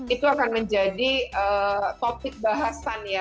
itu akan menjadi topik bahasan ya